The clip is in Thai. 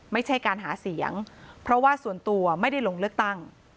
ไม่ใช่การหาเสียงเพราะว่าส่วนตัวไม่ได้ลงเลือกตั้ง